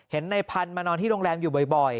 ในพันธุ์มานอนที่โรงแรมอยู่บ่อย